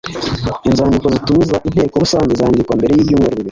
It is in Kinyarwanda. Inzandiko zitumiza Inteko Rusange zandikwa mbere y’ibyumweru bibiri